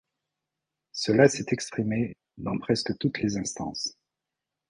Cela s'est exprimé dans presque toutes les instances.